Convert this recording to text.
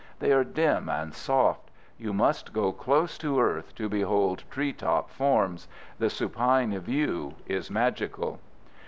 They are dim and soft. You must go close to earth to behold tree top forms. The supine view is magical.